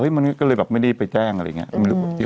คือคือคือคือคือคือคือคือคือ